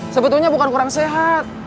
sebetulnya bukan kurang sehat